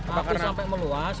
api sampai meluas